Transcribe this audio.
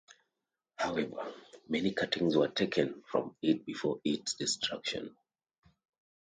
However, many cuttings were taken from it before its destruction.